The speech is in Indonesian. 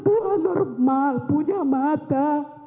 tuhan normal punya mata